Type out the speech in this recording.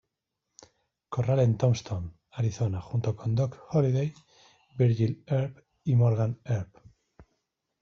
Corral en Tombstone, Arizona, junto con Doc Holliday, Virgil Earp y Morgan Earp.